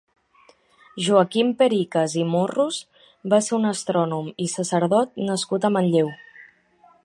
Joaquim Pericas i Morros va ser un astrònom i sacerdot nascut a Manlleu.